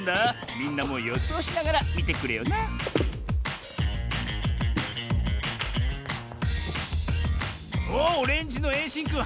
みんなもよそうしながらみてくれよなおっオレンジのえいしんくん